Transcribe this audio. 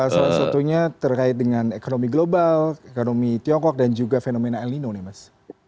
salah satunya terkait dengan ekonomi global ekonomi tiongkok dan juga fenomena el nino nih mas